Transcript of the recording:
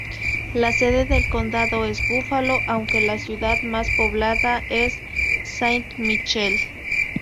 La sede del condado es Búfalo, aunque la ciudad más poblada es Saint Michel.